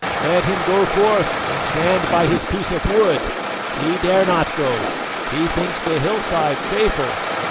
Let him go forth and stand by his piece of wood. He dare not go! He thinks the hillside safer.